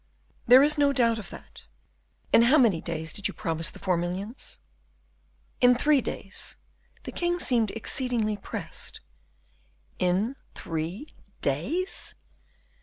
"There is no doubt of that. In how many days did you promise the four millions?" "In three days. The king seemed exceedingly pressed." "_In three days?